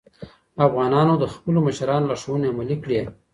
افغانانو د خپلو مشرانو لارښوونې عملي کړې.